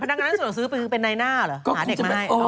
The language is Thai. ดังนั้นส่วนซื้อเป็นในหน้าเหรอหาเด็กมาให้